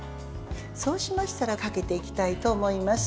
そうしましたらかけていきたいと思います。